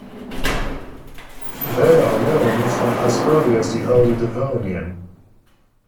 They are known from as early as the Early Devonian.